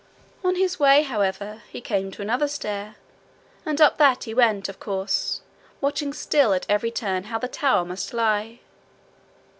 On his way, however, he came to another stair, and up that he went, of course, watching still at every turn how the tower must lie.